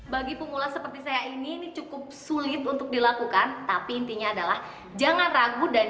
bagi pemula seperti saya ini ini cukup sulit untuk dilakukan tapi intinya adalah jangan ragu dan